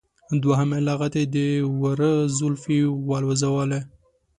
دوهمې لغتې د وره زولفی والوزوله.